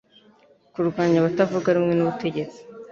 kurwanya abatavuga rumwe n’ubutegetsi